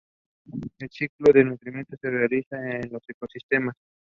El ciclo de nutrientes se realiza en los ecosistemas.